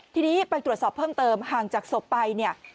ทีนี้ไปตรวจสอบเพิ่มเติมห่างจากศพไปเนี่ย